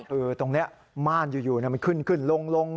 คือตรงนี้ม่านอยู่มันขึ้นขึ้นลง